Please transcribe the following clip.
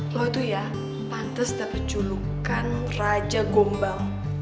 lo itu ya pantes dapet julukan raja gombal